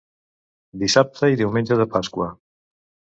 Dissabte i Diumenge de Pasqua.